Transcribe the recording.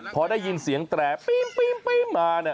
พอได้ยินเสียงแตรปี๊บมา